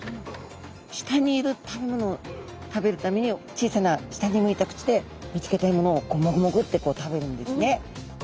下にいる食べ物を食べるために小さな下に向いた口で見つけた獲物をもぐもぐってこう食べるんですね。